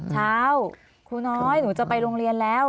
ครูน้อยหนูจะไปโรงเรียนแล้ว